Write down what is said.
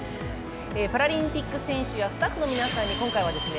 パラリンピック選手やスタッフの皆さんに今回はですね